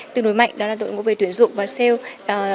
tương đối mạnh đó là đội ngũ về tuyển dụng và sale